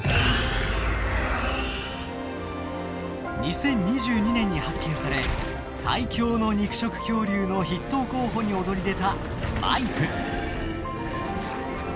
２０２２年に発見され最強の肉食恐竜の筆頭候補に躍り出たマイプ。